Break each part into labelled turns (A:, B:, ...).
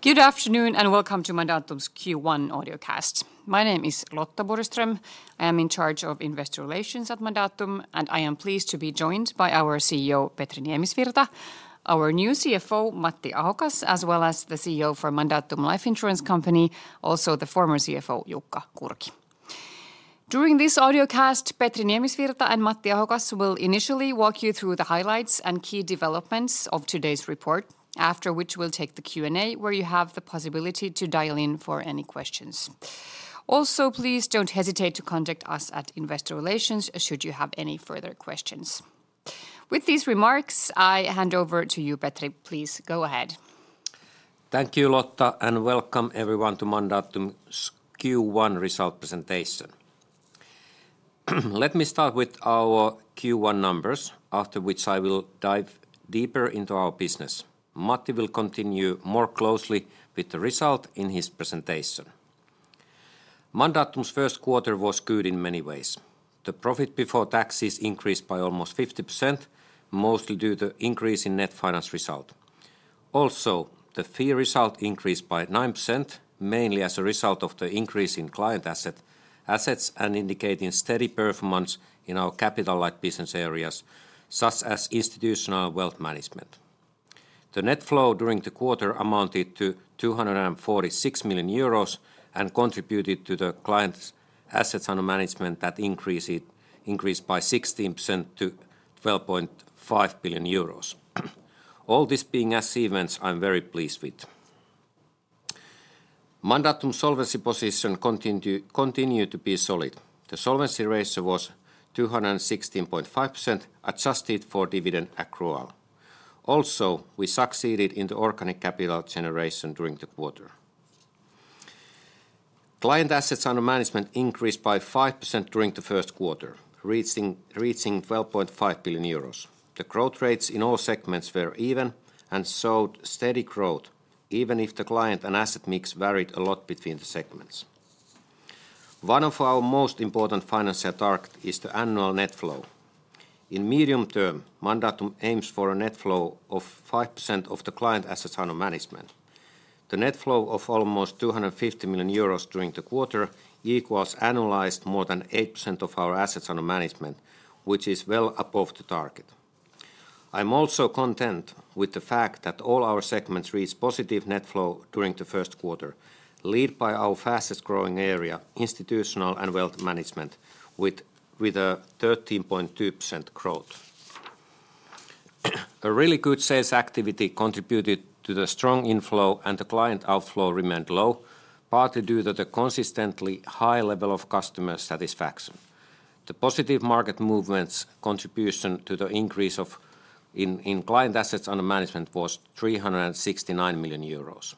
A: Good afternoon and welcome to Mandatum's Q1 Audiocast. My name is Lotta Borgström. I am in charge of investor relations at Mandatum, and I am pleased to be joined by our CEO, Petri Niemisvirta, our new CFO, Matti Ahokas, as well as the CEO for Mandatum Life Insurance Company, also the former CFO, Jukka Kurki. During this audiocast, Petri Niemisvirta and Matti Ahokas will initially walk you through the highlights and key developments of today's report, after which we'll take the Q&A, where you have the possibility to dial in for any questions. Also, please don't hesitate to contact us at investor relations should you have any further questions. With these remarks, I hand over to you, Petri. Please go ahead.
B: Thank you, Lotta, and welcome everyone to Mandatum's Q1 result presentation. Let me start with our Q1 numbers, after which I will dive deeper into our business. Matti will continue more closely with the result in his presentation. Mandatum's first quarter was good in many ways. The profit before taxes increased by almost 50%, mostly due to the increase in net finance result. Also, the fee result increased by 9%, mainly as a result of the increase in client assets and indicating steady performance in our capital-light business areas, such as institutional wealth management. The net flow during the quarter amounted to 246 million euros and contributed to the client assets under management that increased by 16% to 12.5 billion euros. All this being said, I'm very pleased with. Mandatum's solvency position continued to be solid. The solvency ratio was 216.5%, adjusted for dividend accrual. Also, we succeeded in the organic capital generation during the quarter. Client assets under management increased by 5% during the first quarter, reaching 12.5 billion euros. The growth rates in all segments were even and showed steady growth, even if the client and asset mix varied a lot between the segments. One of our most important financial targets is the annual net flow. In medium term, Mandatum aims for a net flow of 5% of the client assets under management. The net flow of almost 250 million euros during the quarter equals annualized more than 8% of our assets under management, which is well above the target. I'm also content with the fact that all our segments reached positive net flow during the first quarter, led by our fastest growing area, institutional and wealth management, with a 13.2% growth. A really good sales activity contributed to the strong inflow, and the client outflow remained low, partly due to the consistently high level of customer satisfaction. The positive market movement's contribution to the increase in client assets under management was 369 million euros.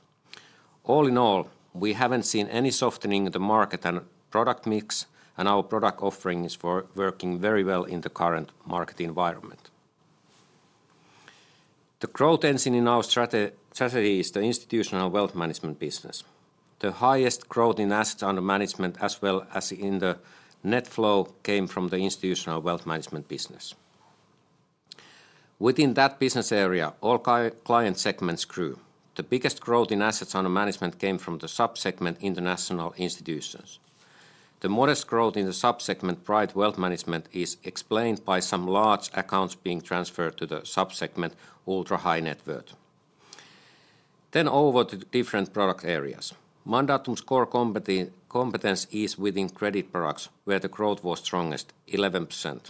B: All in all, we haven't seen any softening in the market and product mix, and our product offering is working very well in the current market environment. The growth engine in our strategy is the institutional wealth management business. The highest growth in assets under management, as well as in the net flow, came from the institutional wealth management business. Within that business area, all client segments grew. The biggest growth in assets under management came from the subsegment international institutions. The modest growth in the subsegment private wealth management is explained by some large accounts being transferred to the subsegment ultra-high net worth. Over to different product areas. Mandatum's core competence is within credit products, where the growth was strongest, 11%.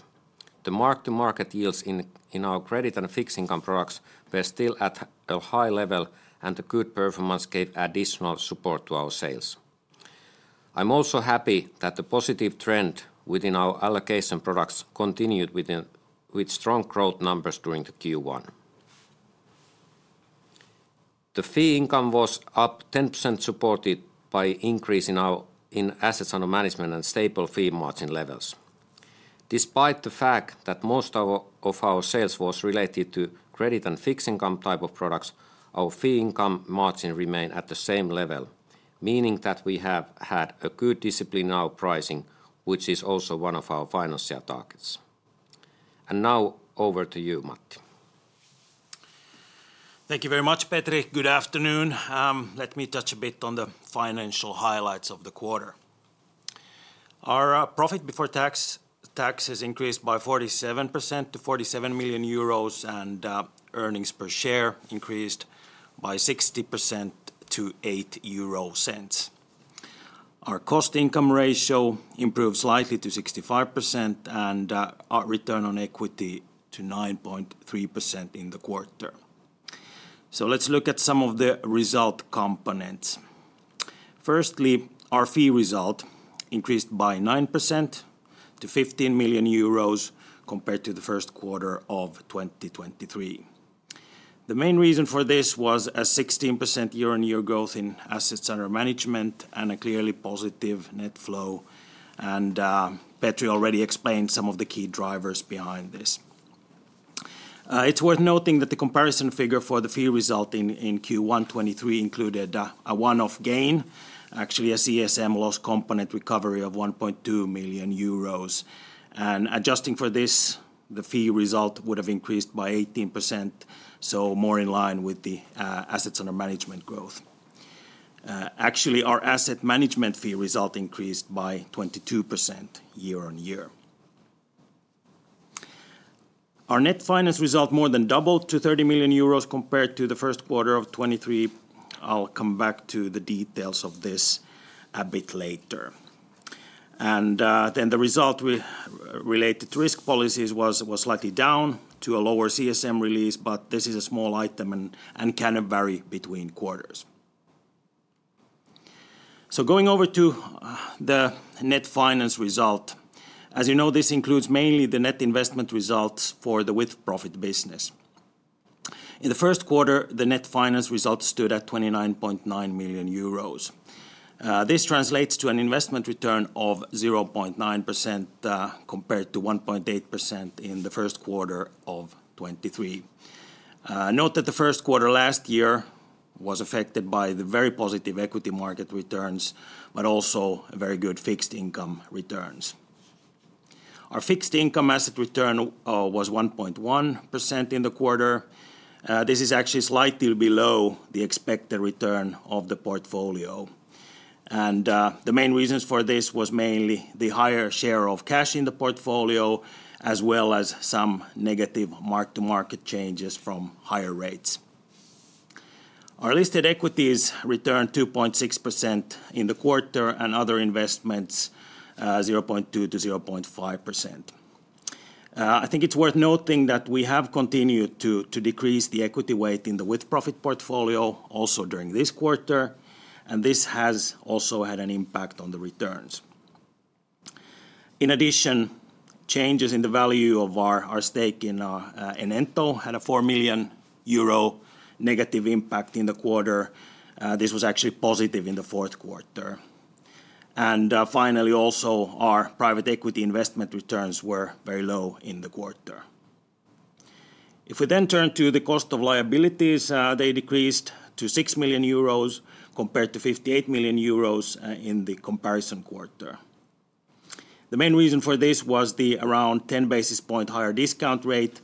B: The mark-to-market yields in our credit and fixed income products were still at a high level, and the good performance gave additional support to our sales. I'm also happy that the positive trend within our allocation products continued with strong growth numbers during the Q1. The fee income was up 10%, supported by an increase in assets under management and stable fee margin levels. Despite the fact that most of our sales were related to credit and fixed income type of products, our fee income margin remained at the same level, meaning that we have had a good discipline in our pricing, which is also one of our financial targets. Now over to you, Matti.
C: Thank you very much, Petri. Good afternoon. Let me touch a bit on the financial highlights of the quarter. Our profit before taxes increased by 47% to 47 million euros, and earnings per share increased by 60% to 0.08. Our cost-income ratio improved slightly to 65%, and our return on equity to 9.3% in the quarter. Let's look at some of the result components. Firstly, our fee result increased by 9% to 15 million euros compared to the first quarter of 2023. The main reason for this was a 16% year-on-year growth in assets under management and a clearly positive net flow, and Petri already explained some of the key drivers behind this. It's worth noting that the comparison figure for the fee result in Q1 2023 included a one-off gain, actually a CSM loss component recovery of 1.2 million euros. Adjusting for this, the fee result would have increased by 18%, so more in line with the assets under management growth. Actually, our asset management fee result increased by 22% year-on-year. Our net finance result more than doubled to 30 million euros compared to the first quarter of 2023. I'll come back to the details of this a bit later. Then the result related to risk policies was slightly down to a lower CSM release, but this is a small item and can vary between quarters. Going over to the net finance result. As you know, this includes mainly the net investment results for the with-profit business. In the first quarter, the net finance result stood at 29.9 million euros. This translates to an investment return of 0.9% compared to 1.8% in the first quarter of 2023. Note that the first quarter last year was affected by the very positive equity market returns, but also very good fixed income returns. Our fixed income asset return was 1.1% in the quarter. This is actually slightly below the expected return of the portfolio. The main reasons for this were mainly the higher share of cash in the portfolio, as well as some negative mark-to-market changes from higher rates. Our listed equities returned 2.6% in the quarter, and other investments 0.2%-0.5%. I think it's worth noting that we have continued to decrease the equity weight in the with-profit portfolio also during this quarter, and this has also had an impact on the returns. In addition, changes in the value of our stake in Enento had a 4 million euro negative impact in the quarter. This was actually positive in the fourth quarter. Finally, also, our private equity investment returns were very low in the quarter. If we then turn to the cost of liabilities, they decreased to 6 million euros compared to 58 million euros in the comparison quarter. The main reason for this was the around 10 basis point higher discount rate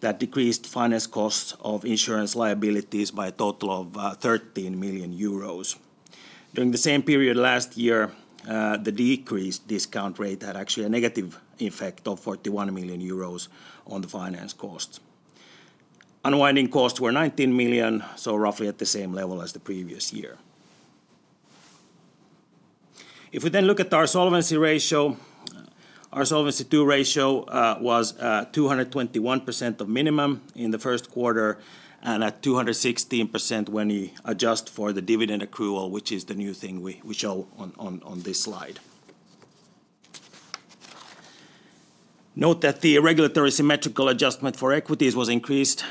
C: that decreased finance costs of insurance liabilities by a total of 13 million euros. During the same period last year, the decreased discount rate had actually a negative effect of 41 million euros on the finance costs. Unwinding costs were 19 million, so roughly at the same level as the previous year. If we then look at our solvency ratio, our solvency ratio was 221% of minimum in the first quarter and at 216% when we adjust for the dividend accrual, which is the new thing we show on this slide. Note that the regulatory symmetrical adjustment for equities was increased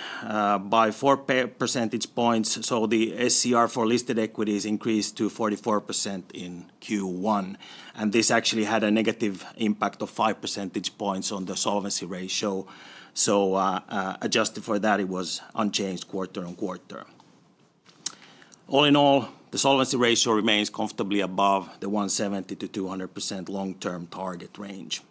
C: by four percentage points, so the SCR for listed equities increased to 44% in Q1. This actually had a negative impact of five percentage points on the solvency ratio. Adjusted for that, it was unchanged quarter-on-quarter. All in all, the solvency ratio remains comfortably above the 170%-200% long-term target range.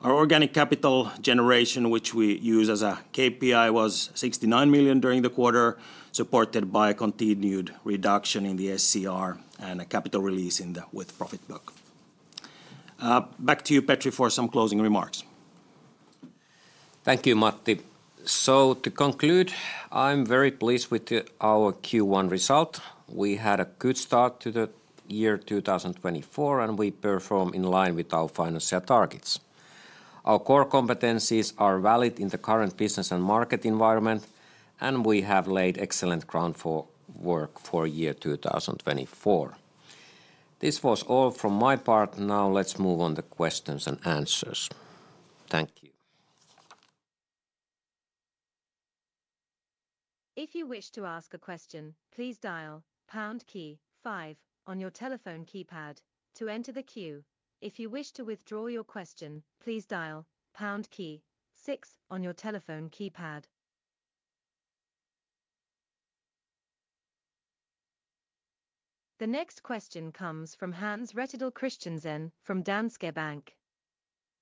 C: Our organic capital generation, which we use as a KPI, was 69 million during the quarter, supported by continued reduction in the SCR and a capital release in the with-profit book. Back to you, Petri, for some closing remarks.
B: Thank you, Matti. So to conclude, I'm very pleased with our Q1 result. We had a good start to the year 2024, and we perform in line with our financial targets. Our core competencies are valid in the current business and market environment, and we have laid excellent groundwork for year 2024. This was all from my part. Now let's move on to questions and answers. Thank you.
D: If you wish to ask a question, please dial pound key five on your telephone keypad to enter the queue. If you wish to withdraw your question, please dial pound key six on your telephone keypad. The next question comes from Hans Rettedal Christiansen from Danske Bank.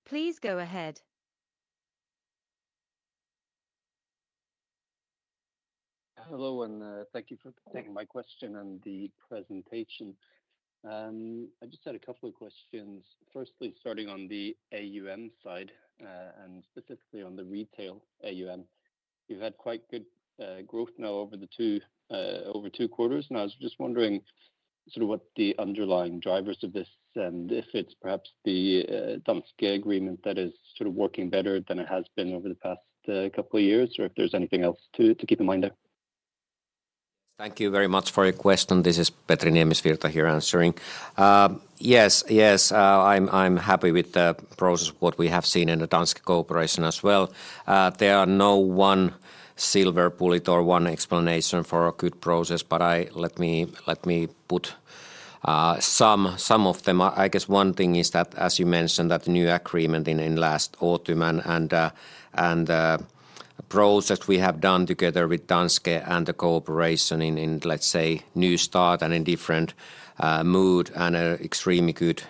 D: Please go ahead.
E: Hello, and thank you for taking my question and the presentation. I just had a couple of questions. Firstly, starting on the AUM side and specifically on the retail AUM, you've had quite good growth now over two quarters. I was just wondering sort of what the underlying drivers of this and if it's perhaps the Danske agreement that is sort of working better than it has been over the past couple of years, or if there's anything else to keep in mind there.
B: Thank you very much for your question. This is Petri Niemisvirta here answering. Yes, yes, I'm happy with the process, what we have seen in the Danske Corporation as well. There are no one silver bullet or one explanation for a good process, but let me put some of them. I guess one thing is that, as you mentioned, that new agreement in last autumn and the process we have done together with Danske and the cooperation in, let's say, new start and in different mood and an extremely good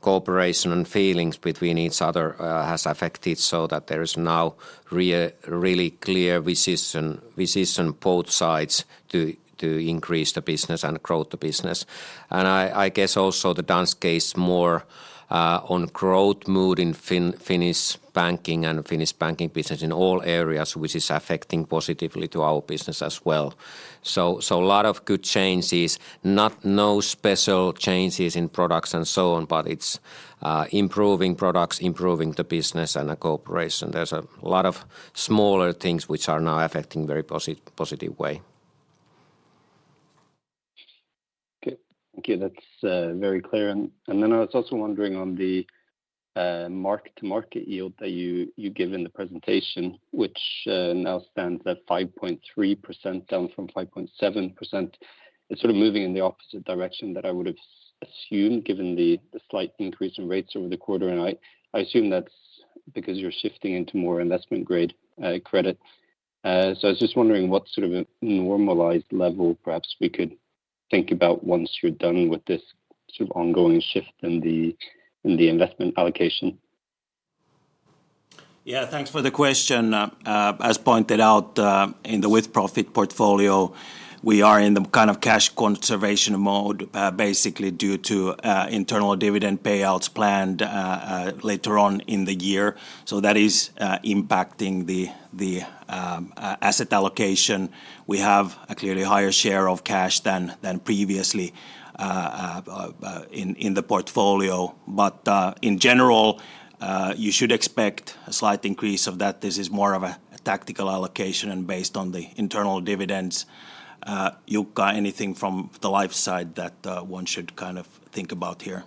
B: cooperation and feelings between each other has affected so that there is now really clear decision on both sides to increase the business and grow the business. I guess also the Danske is more on growth mood in Finnish banking and Finnish banking business in all areas, which is affecting positively to our business as well. A lot of good changes, no special changes in products and so on, but it's improving products, improving the business and the cooperation. There's a lot of smaller things which are now affecting in a very positive way.
E: Okay, thank you. That's very clear. And then I was also wondering on the mark-to-market yield that you gave in the presentation, which now stands at 5.3% down from 5.7%. It's sort of moving in the opposite direction that I would have assumed given the slight increase in rates over the quarter. And I assume that's because you're shifting into more investment-grade credit. So I was just wondering what sort of a normalized level perhaps we could think about once you're done with this sort of ongoing shift in the investment allocation.
B: Yeah, thanks for the question. As pointed out, in the with-profit portfolio, we are in the kind of cash conservation mode, basically due to internal dividend payouts planned later on in the year. So that is impacting the asset allocation. We have a clearly higher share of cash than previously in the portfolio. But in general, you should expect a slight increase of that. This is more of a tactical allocation and based on the internal dividends. Jukka, anything from the life side that one should kind of think about here?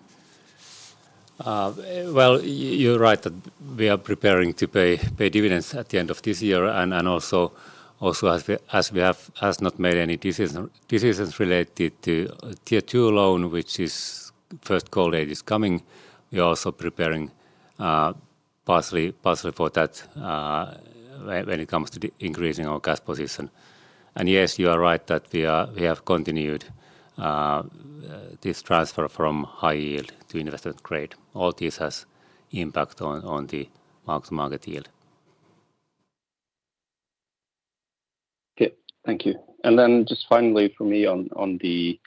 F: Well, you're right that we are preparing to pay dividends at the end of this year. Also, as we have not made any decisions related to Tier 2 loan, which, the first call date, is coming, we are also preparing partially for that when it comes to increasing our cash position. Yes, you are right that we have continued this transfer from high yield to investment grade. All this has impact on the mark-to-market yield.
E: Okay, thank you. And then just finally for me on the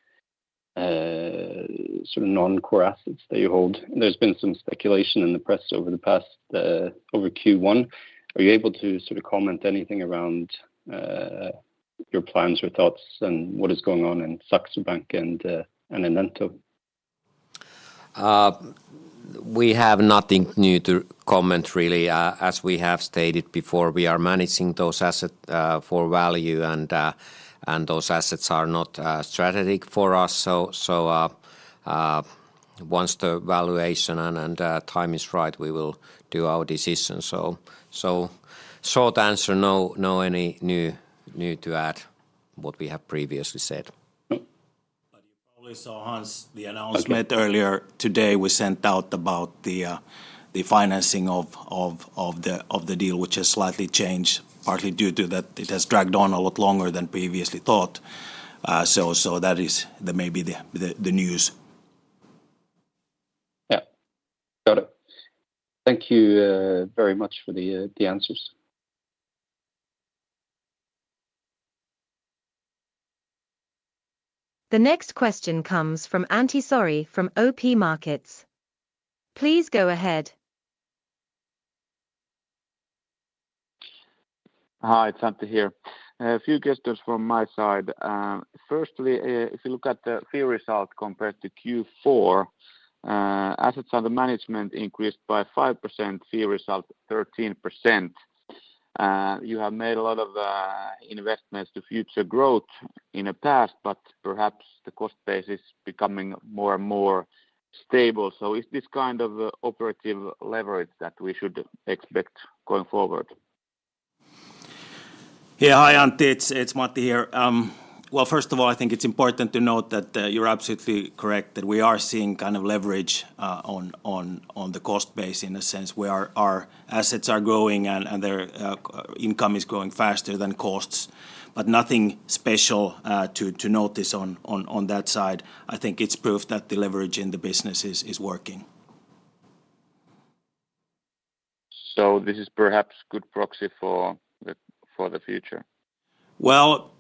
E: sort of non-core assets that you hold, there's been some speculation in the press over the past over Q1. Are you able to sort of comment anything around your plans or thoughts and what is going on in Saxo Bank and Enento?
B: We have nothing new to comment, really. As we have stated before, we are managing those assets for value, and those assets are not strategic for us. So once the valuation and time is right, we will do our decision. So, short answer, no, any new to add what we have previously said.
C: You probably saw, Hans, the announcement earlier today we sent out about the financing of the deal, which has slightly changed, partly due to that it has dragged on a lot longer than previously thought. That is maybe the news.
E: Yeah, got it. Thank you very much for the answers.
D: The next question comes from Antti Saari from OP Markets. Please go ahead.
G: Hi, it's Antti here. A few questions from my side. Firstly, if you look at the fee result compared to Q4, assets under management increased by 5%, fee result 13%. You have made a lot of investments to future growth in the past, but perhaps the cost base is becoming more and more stable. So is this kind of operative leverage that we should expect going forward?
B: Yeah, hi, Antti. It's Matti here. Well, first of all, I think it's important to note that you're absolutely correct that we are seeing kind of leverage on the cost base in a sense. Our assets are growing and their income is growing faster than costs, but nothing special to notice on that side. I think it's proof that the leverage in the business is working.
G: This is perhaps a good proxy for the future?
B: Well,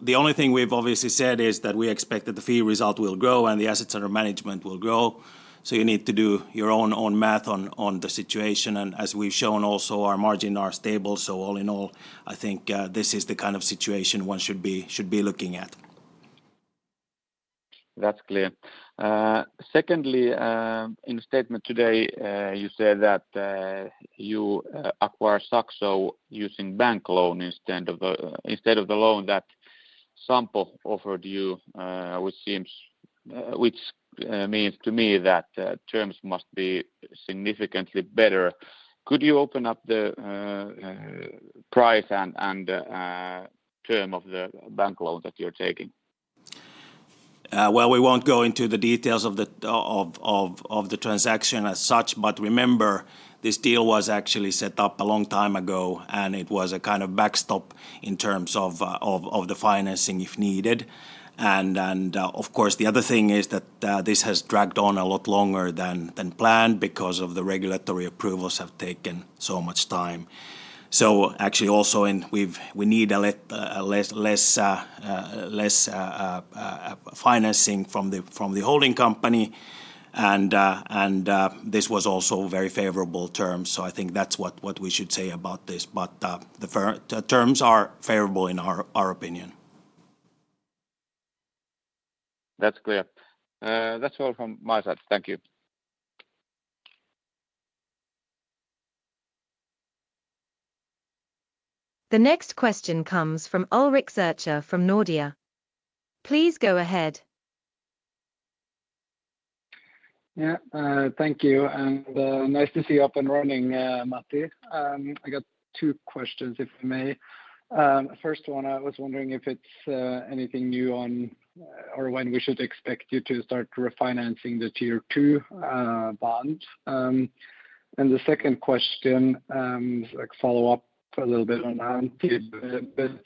B: the only thing we've obviously said is that we expect that the fee result will grow and the assets under management will grow. So you need to do your own math on the situation. And as we've shown also, our margin are stable. So all in all, I think this is the kind of situation one should be looking at.
G: That's clear. Secondly, in a statement today, you said that you acquire Saxo using bank loan instead of the loan that Sampo offered you, which means to me that terms must be significantly better. Could you open up the price and term of the bank loan that you're taking?
B: Well, we won't go into the details of the transaction as such, but remember, this deal was actually set up a long time ago, and it was a kind of backstop in terms of the financing if needed. Of course, the other thing is that this has dragged on a lot longer than planned because of the regulatory approvals that have taken so much time. Actually also, we need less financing from the holding company. This was also very favorable terms. I think that's what we should say about this. But the terms are favorable in our opinion.
G: That's clear. That's all from my side. Thank you.
D: The next question comes from Ulrik Zürcher from Nordea. Please go ahead.
H: Yeah, thank you. And nice to see you up and running, Matti. I got two questions, if I may. First one, I was wondering if it's anything new on or when we should expect you to start refinancing the Tier 2 bond. And the second question is a follow-up a little bit on that.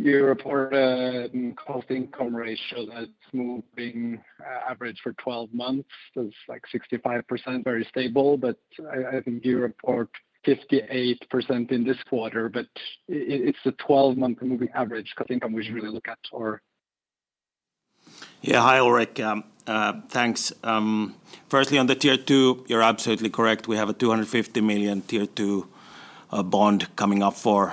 H: You reported cost income ratio that's moving average for 12 months. It's like 65%, very stable. But I think you report 58% in this quarter. But it's the 12-month moving average cost income we should really look at, or?
C: Yeah, hi, Ulrik. Thanks. Firstly, on the Tier two, you're absolutely correct. We have a 250 million Tier 2 bond coming up for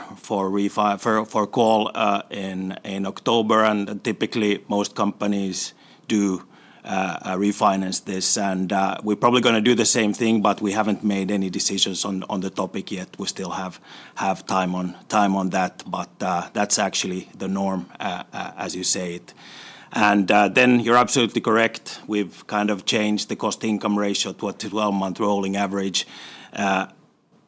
C: call in October. And typically, most companies do refinance this. And we're probably going to do the same thing, but we haven't made any decisions on the topic yet. We still have time on that. But that's actually the norm, as you say it. And then you're absolutely correct. We've kind of changed the cost income ratio to a 12-month rolling average.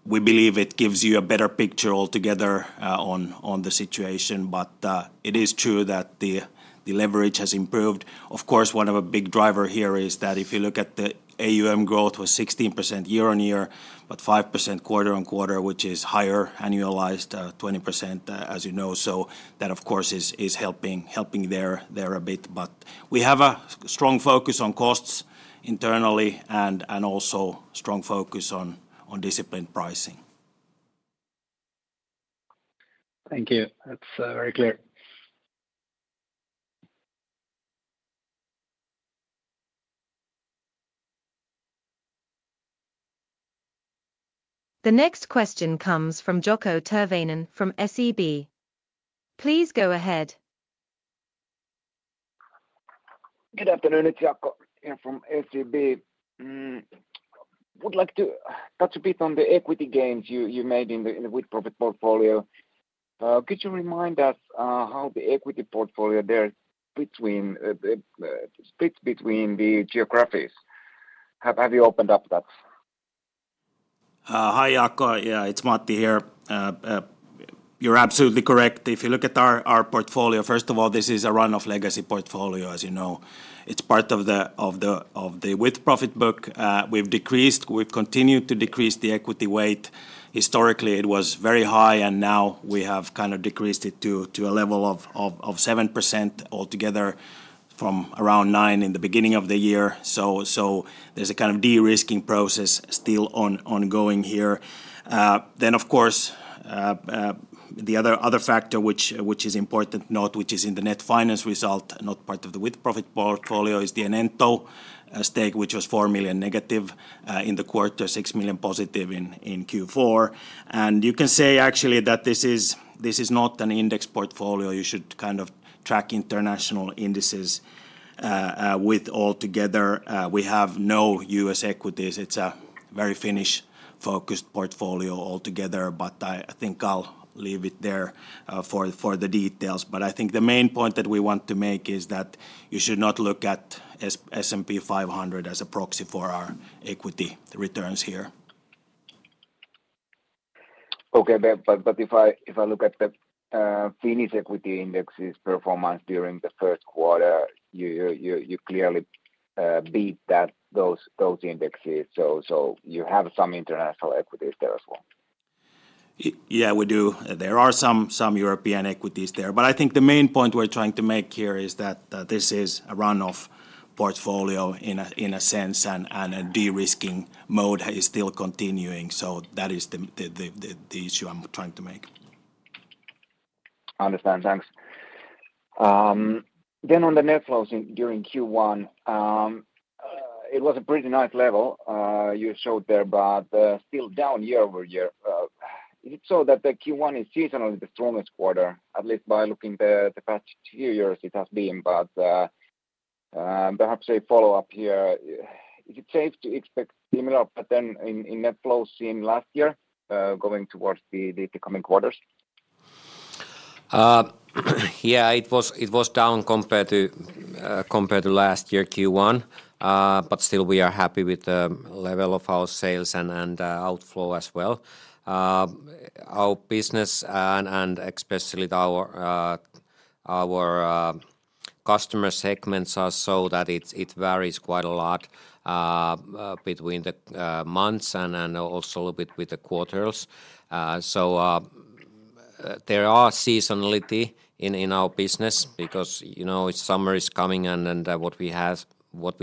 C: We believe it gives you a better picture altogether on the situation. But it is true that the leverage has improved. Of course, one of the big drivers here is that if you look at the AUM growth, it was 16% year-on-year, but 5% quarter-on-quarter, which is higher annualized, 20%, as you know.
B: That, of course, is helping there a bit. But we have a strong focus on costs internally and also a strong focus on disciplined pricing.
G: Thank you. That's very clear.
D: The next question comes from Jaakko Tyrväinen from SEB. Please go ahead.
I: Good afternoon, it's Jaakko here from SEB. Would like to touch a bit on the equity gains you made in the with-profit portfolio. Could you remind us how the equity portfolio there splits between the geographies? Have you opened up that?
B: Hi, Jaakko. Yeah, it's Matti here. You're absolutely correct. If you look at our portfolio, first of all, this is a run-off legacy portfolio, as you know. It's part of the with-profit book. We've decreased. We've continued to decrease the equity weight. Historically, it was very high, and now we have kind of decreased it to a level of 7% altogether from around 9% in the beginning of the year. So there's a kind of de-risking process still ongoing here. Then, of course, the other factor, which is important to note, which is in the net finance result, not part of the with-profit portfolio, is the Enento stake, which was 4 million negative in the quarter, 6 million positive in Q4. And you can say actually that this is not an index portfolio. You should kind of track international indices altogether. We have no U.S. equities. It's a very Finnish-focused portfolio altogether. But I think I'll leave it there for the details. But I think the main point that we want to make is that you should not look at S&P 500 as a proxy for our equity returns here.
I: Okay, but if I look at the Finnish equity indexes' performance during the first quarter, you clearly beat those indexes. So you have some international equities there as well?
B: Yeah, we do. There are some European equities there. But I think the main point we're trying to make here is that this is a run-off portfolio in a sense, and a de-risking mode is still continuing. So that is the issue I'm trying to make.
I: I understand. Thanks. On the net flows during Q1, it was a pretty nice level you showed there, but still down year-over-year. Is it so that the Q1 is seasonally the strongest quarter, at least by looking at the past few years, it has been? Perhaps a follow-up here. Is it safe to expect similar pattern in net flows seen last year going towards the coming quarters?
B: Yeah, it was down compared to last year, Q1. But still, we are happy with the level of our sales and outflow as well. Our business and especially our customer segments are so that it varies quite a lot between the months and also a little bit with the quarters. So there is seasonality in our business because summer is coming and what we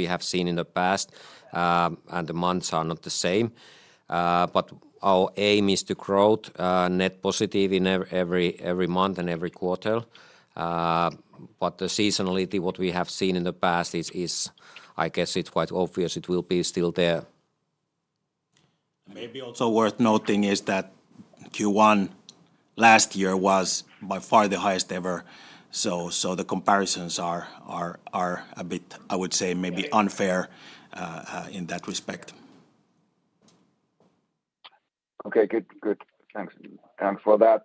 B: have seen in the past and the months are not the same. But our aim is to grow net positive in every month and every quarter. But the seasonality, what we have seen in the past, I guess it's quite obvious it will be still there.
C: Maybe also worth noting is that Q1 last year was by far the highest ever. The comparisons are a bit, I would say, maybe unfair in that respect.
I: Okay, good. Thanks for that.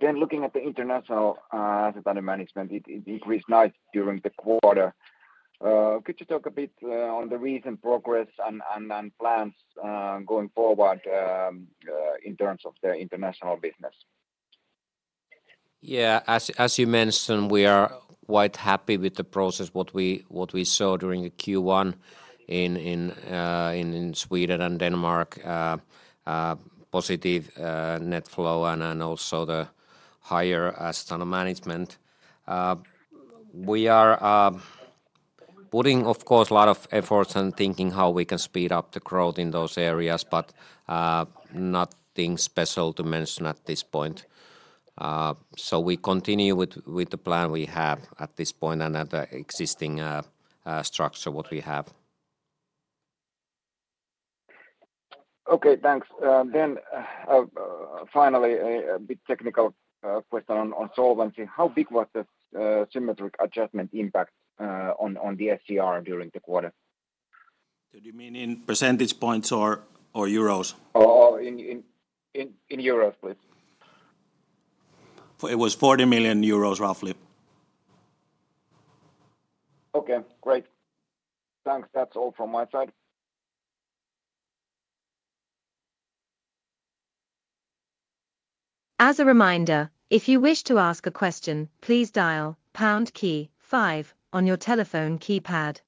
I: Then looking at the international assets under management, it increased nicely during the quarter. Could you talk a bit on the recent progress and plans going forward in terms of the international business?
B: Yeah, as you mentioned, we are quite happy with the process, what we saw during Q1 in Sweden and Denmark, positive net flow and also the higher assets under management. We are putting, of course, a lot of efforts and thinking how we can speed up the growth in those areas, but nothing special to mention at this point. So we continue with the plan we have at this point and the existing structure, what we have.
I: Okay, thanks. Then finally, a bit technical question on solvency. How big was the symmetric adjustment impact on the SCR during the quarter?
C: Did you mean in percentage points or euros?
I: In euros, please.
C: It was EUR 40 million, roughly.
I: Okay, great. Thanks. That's all from my side.
D: As a reminder, if you wish to ask a question, please dial pound key five on your telephone keypad.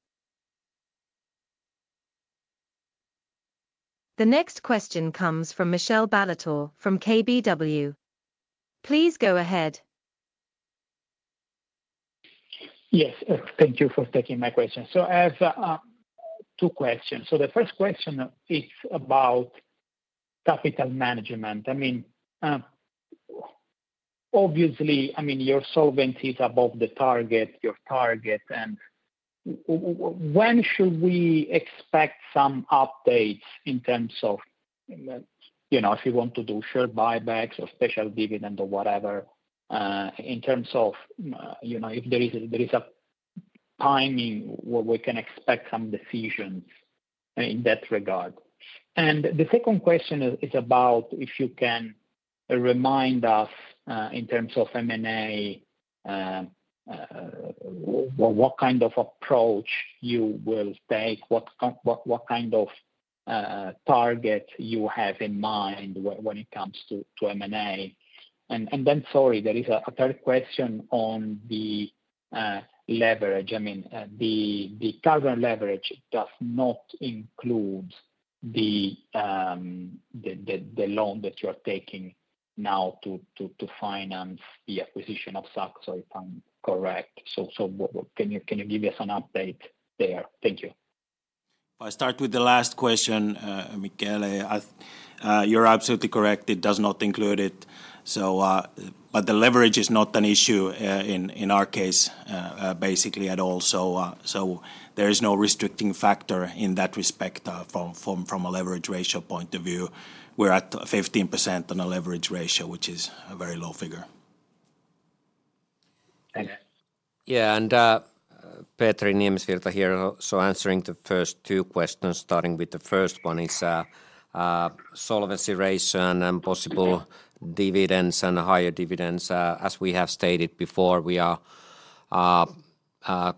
D: The next question comes from Michele Ballatore from KBW. Please go ahead.
J: Yes, thank you for taking my question. So I have two questions. So the first question, it's about capital management. I mean, obviously, I mean, your solvency is above the target. Your target. And when should we expect some updates in terms of if we want to do share buybacks or special dividends or whatever, in terms of if there is a timing where we can expect some decisions in that regard? And the second question is about if you can remind us in terms of M&A, what kind of approach you will take, what kind of target you have in mind when it comes to M&A. And then, sorry, there is a third question on the leverage. I mean, the current leverage does not include the loan that you are taking now to finance the acquisition of Saxo, if I'm correct. So can you give us an update there? Thank you.
B: If I start with the last question, Michele, you're absolutely correct. It does not include it. But the leverage is not an issue in our case, basically, at all. So there is no restricting factor in that respect from a leverage ratio point of view. We're at 15% on a leverage ratio, which is a very low figure.
C: Thank you.
B: Yeah, and Petri Niemisvirta here. So, answering the first two questions, starting with the first one is solvency ratio and possible dividends and higher dividends. As we have stated before, we are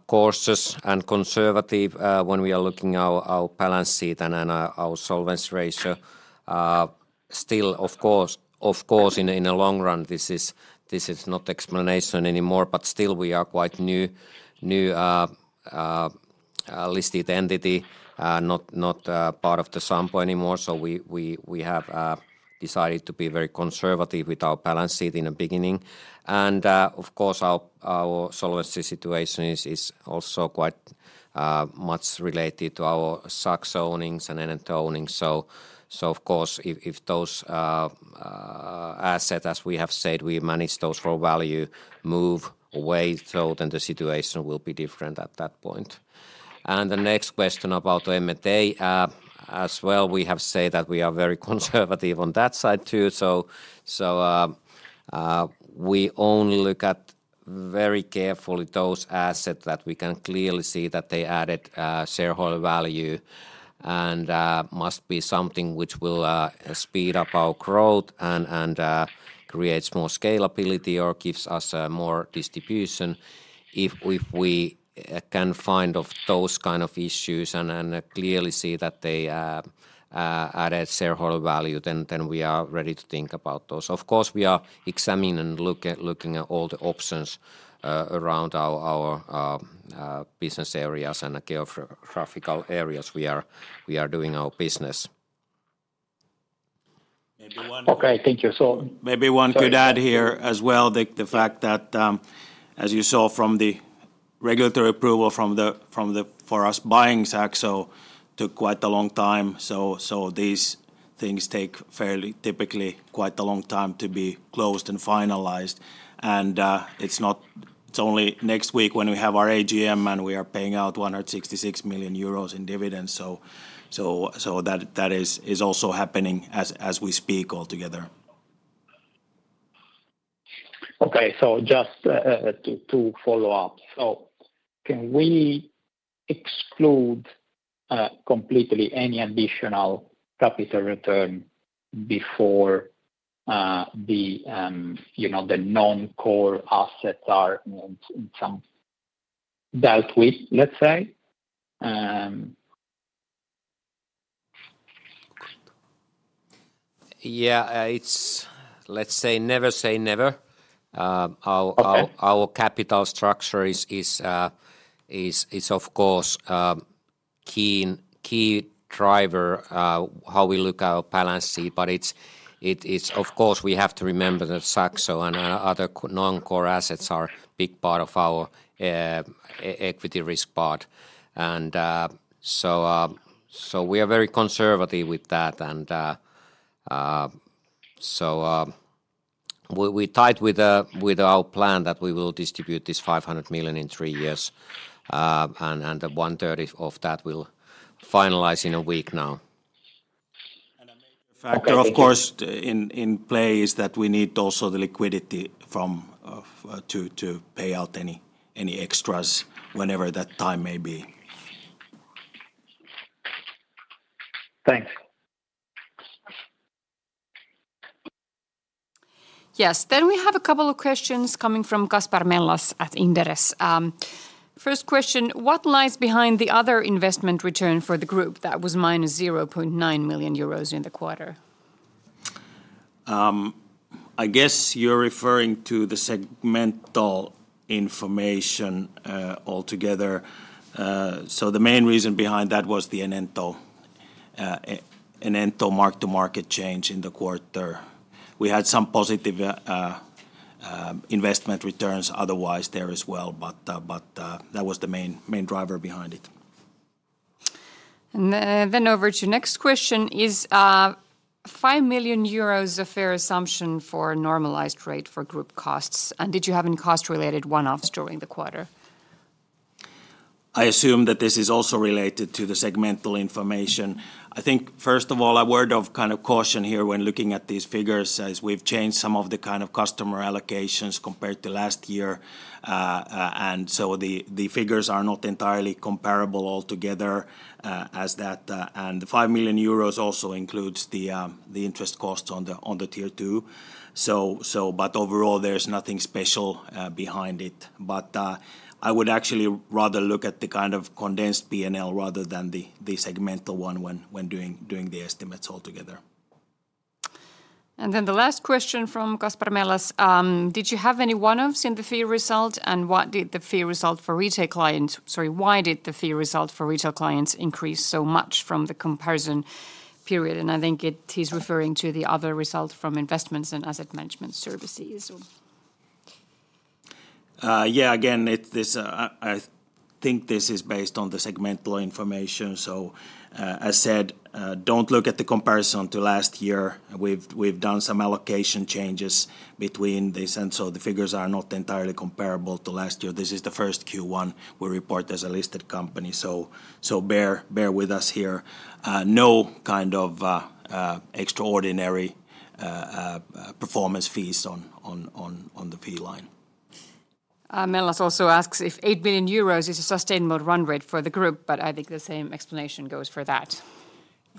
B: cautious and conservative when we are looking at our balance sheet and our solvency ratio. Still, of course, in the long run, this is not an explanation anymore, but still, we are quite a new listed entity, not part of the Sampo anymore. So we have decided to be very conservative with our balance sheet in the beginning. And of course, our solvency situation is also quite much related to our Saxo ownings and Enento ownings. So of course, if those assets, as we have said, we manage those for value, move away, so then the situation will be different at that point. And the next question about M&A. As well, we have said that we are very conservative on that side too. So we only look at very carefully those assets that we can clearly see that they added shareholder value and must be something which will speed up our growth and create more scalability or gives us more distribution. If we can find those kinds of issues and clearly see that they added shareholder value, then we are ready to think about those. Of course, we are examining and looking at all the options around our business areas and geographical areas we are doing our business.
J: Okay, thank you. So maybe one could add here as well the fact that, as you saw from the regulatory approval for us buying Saxo, it took quite a long time. So these things take fairly typically quite a long time to be closed and finalized. And it's only next week when we have our AGM and we are paying out 166 million euros in dividends. So that is also happening as we speak altogether.
I: Okay, so just to follow up. So can we exclude completely any additional capital return before the non-core assets are dealt with, let's say?
B: Yeah, let's say never say never. Our capital structure is, of course, a key driver how we look at our balance sheet. But of course, we have to remember that Saxo and other non-core assets are a big part of our equity risk part. And so we are very conservative with that. And so we tied with our plan that we will distribute this 500 million in three years. And one-third of that will finalize in a week now.
C: A major factor, of course, in play is that we need also the liquidity to pay out any extras whenever that time may be.
J: Thanks.
D: Yes, then we have a couple of questions coming from Kasper Mellas at Inderes. First question, what lies behind the other investment return for the group that was -0.9 million euros in the quarter?
B: I guess you're referring to the segmental information altogether. So the main reason behind that was the Enento mark-to-market change in the quarter. We had some positive investment returns otherwise there as well, but that was the main driver behind it.
D: And then over to your next question. Is 5 million euros a fair assumption for a normalized rate for group costs? And did you have any cost-related one-offs during the quarter?
B: I assume that this is also related to the segmental information. I think, first of all, a word of kind of caution here when looking at these figures. We've changed some of the kind of customer allocations compared to last year. So the figures are not entirely comparable altogether as that. The 5 million euros also includes the interest costs on the Tier 2. But overall, there's nothing special behind it. But I would actually rather look at the kind of condensed P&L rather than the segmental one when doing the estimates altogether.
D: Then the last question from Kasper Mellas. Did you have any one-offs in the fee result? What did the fee result for retail clients sorry, why did the fee result for retail clients increase so much from the comparison period? I think he's referring to the other result from investments and asset management services.
B: Yeah, again, I think this is based on the segmental information. So as said, don't look at the comparison to last year. We've done some allocation changes between this, and so the figures are not entirely comparable to last year. This is the first Q1 we report as a listed company. So bear with us here. No kind of extraordinary performance fees on the fee line.
D: Mellas also asks if 8 million euros is a sustainable run rate for the group, but I think the same explanation goes for that.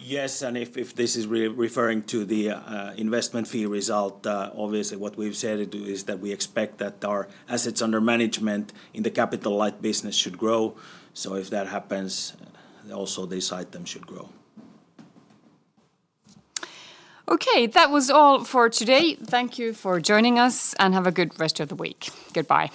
B: Yes, and if this is referring to the investment fee result, obviously, what we've said is that we expect that our assets under management in the capital light business should grow. So if that happens, also these items should grow.
D: Okay, that was all for today. Thank you for joining us and have a good rest of the week. Goodbye.